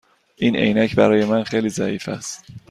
این عینک برای من خیلی ضعیف است.